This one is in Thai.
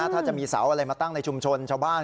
ถ้าจะมีเสาอะไรมาตั้งในชุมชน